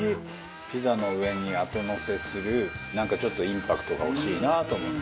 ピザの上に後のせするなんかちょっとインパクトが欲しいなと思って。